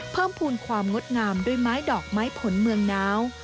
เพิ่มภูมิความงดงามด้วยไม้ดอกไม้ผลเมืองน้าว